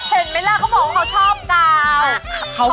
เห็นมั้ยล่ะเขาบอกว่าเขาชอบเจ้า